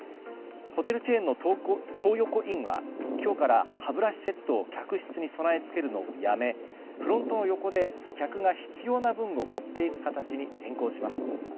ホテルチェーンの東横ＩＮＮは今日から、歯ブラシセットを客室に備え付けるのをやめフロントの横で客が必要な分を持っていく形に変更します。